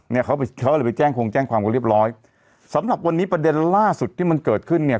เนี่ยเขาเลยไปแจ้งคงแจ้งความกันเรียบร้อยสำหรับวันนี้ประเด็นล่าสุดที่มันเกิดขึ้นเนี่ย